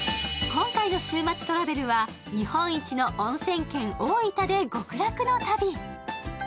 今回の「週末トラベル」は日本一のおんせん県大分で極楽の旅。